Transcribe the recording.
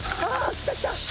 来た来た！